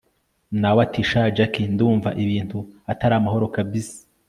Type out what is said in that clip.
nawe ati sha jack! ndumva ibintu ataramahoro kabsa